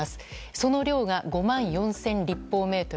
その量が５万４０００立方メートル。